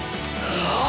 あ！